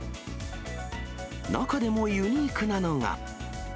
中でもユニークなのが。